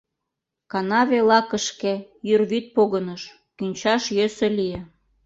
Канаве лакышке йӱр вӱд погыныш, кӱнчаш йӧсӧ лие.